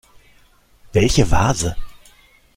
Welche Vase?